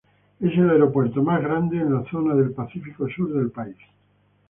Es el aeropuerto más grande en la zona del Pacífico Sur del país.